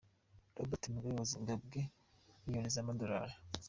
Robert Mugabe wa Zimbabwe: milliyoni z’amadolari.